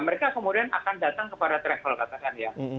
mereka kemudian akan datang kepada travel katakan ya